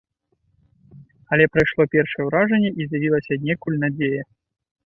Але прайшло першае ўражанне, і з'явілася аднекуль надзея.